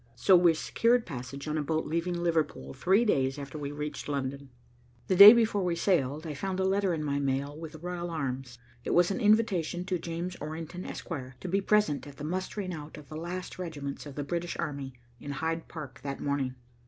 So we secured passage on a boat leaving Liverpool three days after we reached London. The day before we sailed, I found a letter in my mail with the royal arms. It was an invitation to James Orrington, Esq., to be present at the mustering out of the last regiments of the British army in Hyde Park that morning.